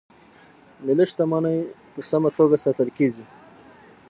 ملي شتمنۍ په سمه توګه ساتل کیږي.